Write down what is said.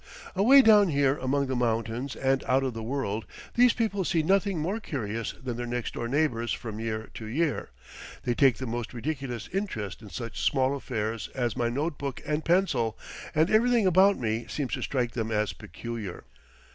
Away down here among the mountains and out of the world, these people see nothing more curious than their next door neighbors from year to year; they take the most ridiculous interest in such small affairs as my note book and pencil, and everything about me seems to strike them as peculiar.